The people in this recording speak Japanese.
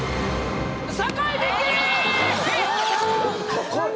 高い。